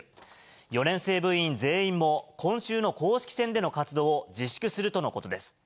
４年生部員全員も今週の公式戦での活動を自粛するとのことです。